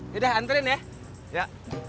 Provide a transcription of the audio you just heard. yaudah antrin ya